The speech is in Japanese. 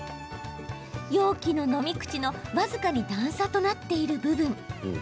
容器の飲み口の僅かに段差となっている部分。